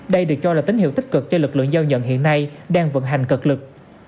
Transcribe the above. đây được cho là tín hiệu tích cực cho lực lượng giao nhận hiện nay đang vận hành cực lực